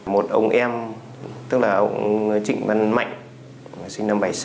một ông em tức là ông trịnh văn mạnh sinh năm một nghìn chín trăm bảy mươi sáu